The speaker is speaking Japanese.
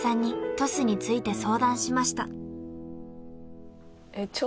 トスについて相談しました］